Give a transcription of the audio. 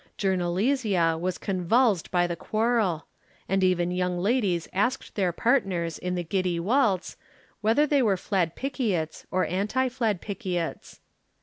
Journalesia was convulsed by the quarrel, and even young ladies asked their partners in the giddy waltz whether they were Fladpickiets or Anti Fladpickiets.